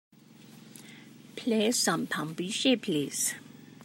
Play some pambiche please